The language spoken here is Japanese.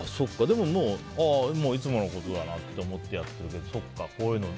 いつものことだと思ってやってるけどそっか、こういうのも。